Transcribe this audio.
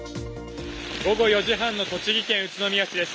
午後４時半の栃木県宇都宮市です